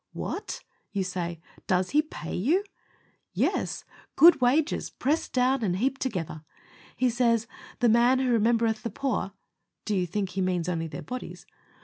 "What!" you say, "does He pay you?" Yes, good wages pressed down heaped together! He says, "The man who remembereth the poor (do you think He means only their bodies?)